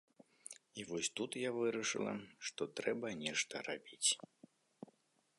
І вось тут я вырашыла, што трэба нешта рабіць.